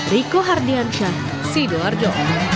riko hardiansyah sidoarjo